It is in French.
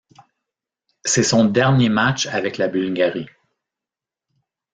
C'est son dernier match avec la Bulgarie.